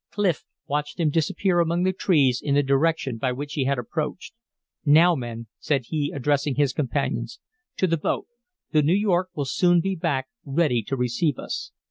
Clif watched him disappear among the trees in the direction by which he had approached. "Now, men," said he, addressing his companions, "to the boat. The New York will soon be back ready to receive us."